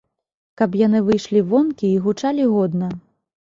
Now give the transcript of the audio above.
Каб яны выйшлі вонкі і гучалі годна.